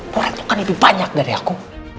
mau rentokan lebih banyak dari aku